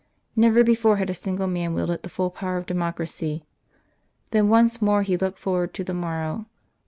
Never before had a single man wielded the full power of democracy. Then once more he looked forward to the morrow.